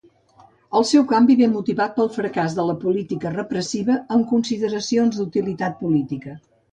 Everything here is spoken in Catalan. El seu canvi ve motivat pel fracàs de la política repressiva, amb consideracions d'utilitat política.